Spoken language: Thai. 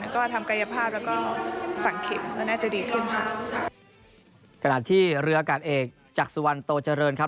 ก็ทำกายภาพแล้วก็สั่งเข็มก็น่าจะดีขึ้นค่ะขณะที่เรืออากาศเอกจากสุวรรณโตเจริญครับ